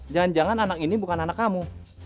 jangan jangan anak ini bukan anak kamu